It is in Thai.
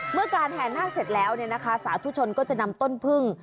เมื่อการแห่นาคเสร็จแล้วเนี่ยนะคะสาธุชนก็จะนำต้นพึ่ง